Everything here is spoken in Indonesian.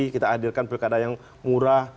kita hadirkan pilkada yang murah